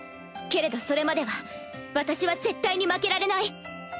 けれどそれまでは私は絶対に負けられない。